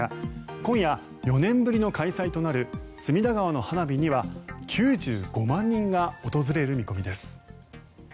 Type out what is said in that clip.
今夜、４年ぶりの開催となる隅田川の花火には９５万人が訪れる見込みです。